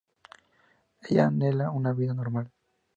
Ella anhela una vida normal.